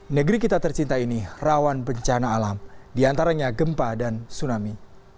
negeri kita tercinta ini rawan bencana alam diantaranya gempa dan tsunami